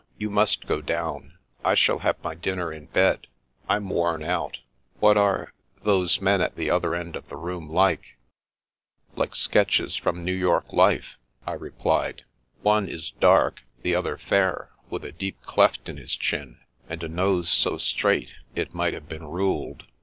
You must go down. I shall have my dinner in bed. I'm worn out. What are — ^those men at the other end of the room like ?" "Like sketches from New York Life" I re plied. "One is dark, the other fair, with a deep cleft in his chin, and a nose so straight it might The Americans 297 have been ruled.